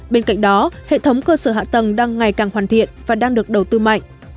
bên cạnh đó hệ thống cơ sở hạ tầng đang ngày càng hoàn thiện và đang được đầu tư mạnh